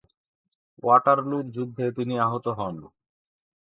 ওয়াটারলুর যুদ্ধে তিনি আহত হন।